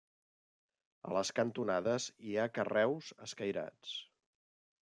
A les cantonades hi ha carreus escairats.